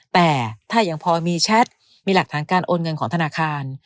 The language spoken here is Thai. แต่ถ้ายังพอมีแชทมีหลักฐานการโอนเงินของธนาคาร